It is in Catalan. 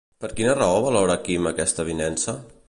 Per quina raó valora Quim aquesta avinença?